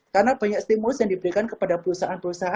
karena banyak stimulus yang diberikan kepada perusahaan perusahaan